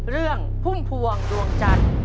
เรื่องพุ่มพวงดวงจันทร์